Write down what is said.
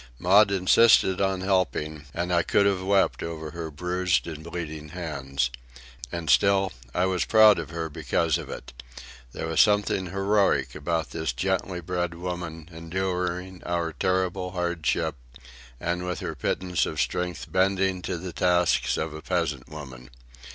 Maud insisted on helping, and I could have wept over her bruised and bleeding hands. And still, I was proud of her because of it. There was something heroic about this gently bred woman enduring our terrible hardship and with her pittance of strength bending to the tasks of a peasant woman.